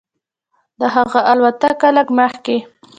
د هغه الوتکه لږ مخکې.